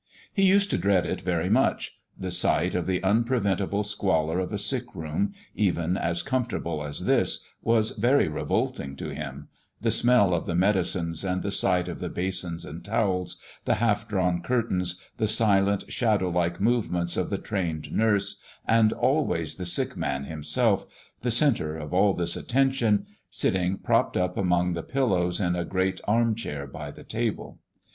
He used to dread it very much; the sight of the unpreventable squalor of a sick room, even as comfortable as this, was very revolting to him the smell of the medicines and the sight of the basins and towels, the half drawn curtains, the silent, shadow like movements of the trained nurse, and always the sick man himself the centre of all this attention sitting propped among the pillows in a great arm chair by the table.